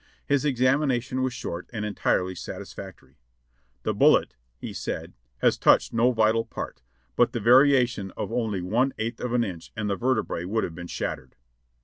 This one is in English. His examination was short and entirely satis factory. "The bullet," he said, has touched no vital part, but the variation of only one eighth of an inch and the vertebrae would have been shattered."